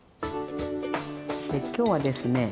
で今日はですね